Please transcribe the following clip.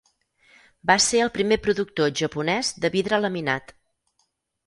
Va ser el primer productor japonès de vidre laminat.